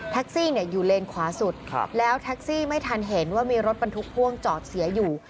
อยู่เลนขวาสุดแล้วแท็กซี่ไม่ทันเห็นว่ามีรถบรรทุกพ่วงจอดเสียอยู่